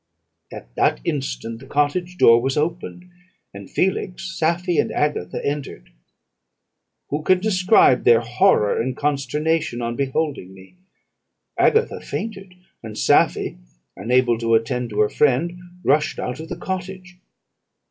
"At that instant the cottage door was opened, and Felix, Safie, and Agatha entered. Who can describe their horror and consternation on beholding me? Agatha fainted; and Safie, unable to attend to her friend, rushed out of the cottage.